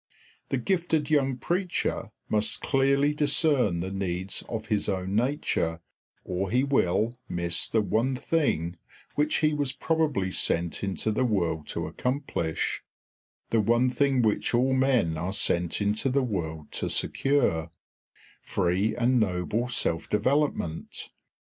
The gifted young preacher must clearly discern the needs of his own nature or he will miss the one thing which he was probably sent into the world to accomplish, the one thing which all men are sent into the world to secure, free and noble self development.